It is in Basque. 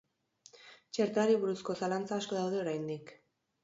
Txertoari buruzko zalantza asko daude oraindik.